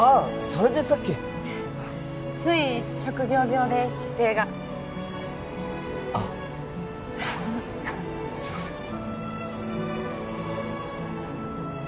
それでさっきつい職業病で姿勢があっすいません